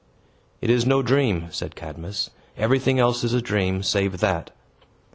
"It is no dream," said Cadmus. "Everything else is a dream, save that."